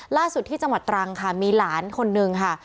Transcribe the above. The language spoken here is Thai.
ล่าสุดที่จังหวัดตรังค่ะมีหลานคนนึงค่ะ